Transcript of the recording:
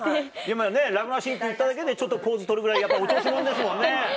今『ＬＯＶＥマシーン』って言っただけでちょっとポーズ取るぐらいやっぱお調子者ですもんね。